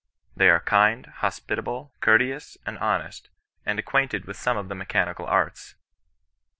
They are kind, hospitable, courteous, and honest, and ac quainted with some of the mechanical arts.